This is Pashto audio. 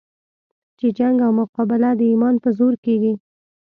چې جنګ او مقابله د ایمان په زور کېږي.